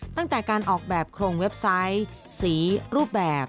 ตั้งแต่การออกแบบโครงเว็บไซต์สีรูปแบบ